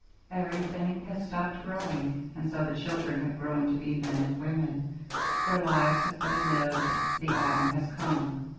Everything has stopped growing. And so the children have grown to be men and women, their lives have been lived, the autumn has come.